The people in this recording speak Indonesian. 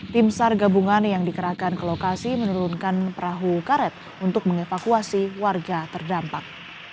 tim sar gabungan yang dikerahkan ke lokasi menurunkan perahu karet untuk mengevakuasi warga terdampak